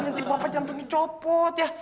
nanti bapak jantungnya copot ya